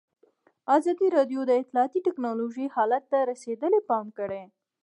ازادي راډیو د اطلاعاتی تکنالوژي حالت ته رسېدلي پام کړی.